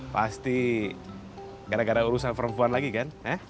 pasti gara gara urusan perempuan lagi kan